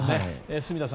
住田さん